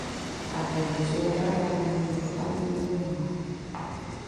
A transmisión oral é algo moi importante no mundo do mar.